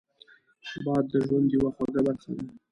باد د ژوند یوه خوږه برخه ده